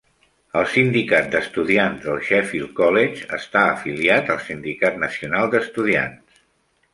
El Sindicat d'estudiants del Sheffield College està afiliat al Sindicat nacional d'estudiants.